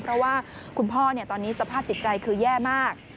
เพราะว่าคุณพ่อตอนนี้สภาพจิตใจคือแย่มาก